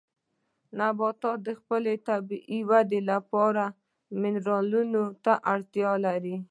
نباتات د خپلې طبیعي ودې لپاره منرالونو ته اړتیا لري.